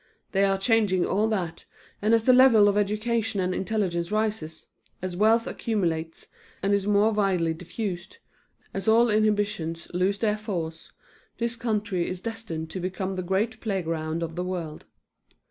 They are changing all that, and as the level of education and intelligence rises, as wealth accumulates and is more widely diffused, as old inhibitions lose their force, this country is destined to become the great playground of the world.